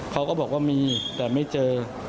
เขาก็บอกว่ามีแต่ไม่เจอ